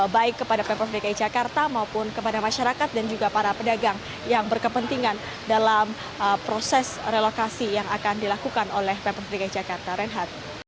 baik kepada pemprov dki jakarta maupun kepada masyarakat dan juga para pedagang yang berkepentingan dalam proses relokasi yang akan dilakukan oleh pemprov dki jakarta renhat